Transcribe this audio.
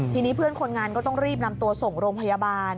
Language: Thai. ทีนี้เพื่อนคนงานก็ต้องรีบนำตัวส่งโรงพยาบาล